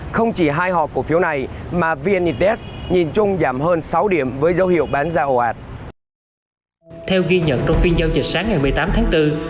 không chỉ hai họ cổ phiếu này mà vnites nhìn chung giảm hơn sáu điểm với dấu hiệu bán ra ồ ạt